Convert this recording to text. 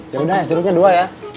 yaudah es jeruknya dua ya